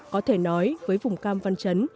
có thể nói với vùng cam văn chấn